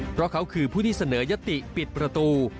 เพราะเขาคือผู้ที่เสนอยติปิดประตู